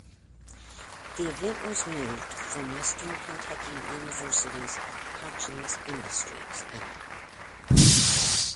The event was moved from Western Kentucky University's Houchens Industries-L.